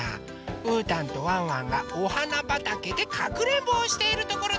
うーたんとワンワンがおはなばたけでかくれんぼをしているところです。